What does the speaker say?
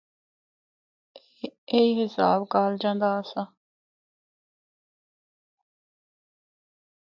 ایہی حساب کالجاں دا آسا۔